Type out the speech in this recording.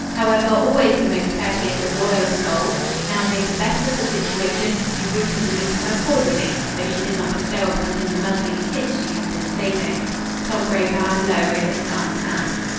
However, always the most courteous and loyal of souls, she now made the best of the situation and greeted the newcomer cordially, though she did not bestow upon him the motherly kiss she had been saving. Tom Gray bowed low over his aunt's hand.